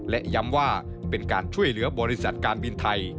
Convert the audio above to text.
และย้ำว่าเป็นการช่วยเหลือบริษัทการบินไทย